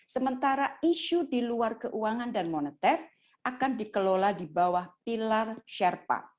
sementara isu di luar keuangan dan moneter akan dikelola di bawah pilar sherpa